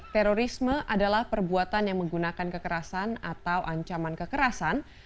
terorisme adalah perbuatan yang menggunakan kekerasan atau ancaman kekerasan